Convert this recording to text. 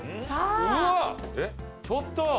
ちょっと。